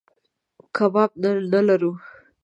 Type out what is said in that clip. کباب نه لرو.